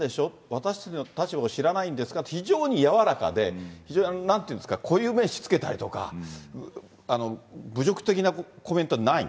私たちの立場を知らないんですかって、非常に柔らかで、なんというんですか、固有名詞つけたりとか、侮辱的なコメントはない。